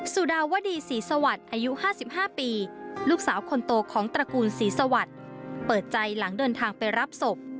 สุดาวดีศรีสวัสดิ์อายุ๕๕ปีลูกสาวคนโตของตระกูลศรีสวัสดิ์เปิดใจหลังเดินทางไปรับศพ